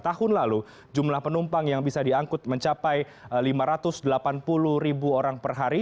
tahun lalu jumlah penumpang yang bisa diangkut mencapai lima ratus delapan puluh ribu orang per hari